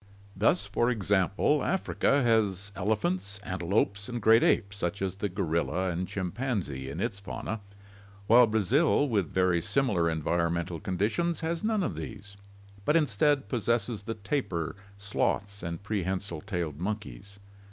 Thus, for example, Africa has elephants, antelopes, and great apes such as the gorilla and chimpanzee in its fauna, while Brazil, with very similar environmental conditions, has none of these, but instead possesses the tapir, sloths, and pre hensile tailed monkeys.